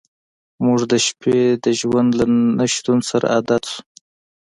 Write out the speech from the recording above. موږ د شپې د ژوند له نشتون سره عادت شو